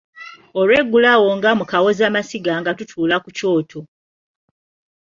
Olweggulo awo nga mu kawozamasiga nga tutuula ku kyoto.